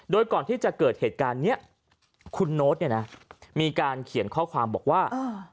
โดยก่อนที่จะเกิดเหตุการณ์เนี้ยคุณโน๊ตเนี่ยนะมีการเขียนข้อความบอกว่าอ่า